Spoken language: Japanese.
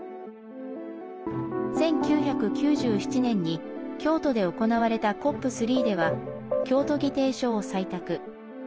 １９９７年に京都で行われたＣＯＰ３では京都議定書を採択。